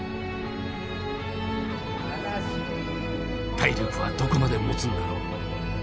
体力はどこまでもつんだろう。